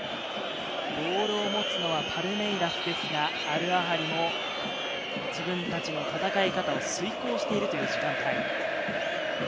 ボールを持つのはパルメイラスですが、アルアハリも自分達の戦い方を遂行しているという時間帯。